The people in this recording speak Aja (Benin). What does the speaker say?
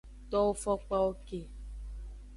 Towo fokpawo ke.